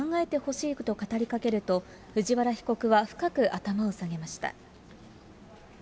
なぜこうなったかよく考えてほしいと語りかけると、藤原被告は深く頭を下げました。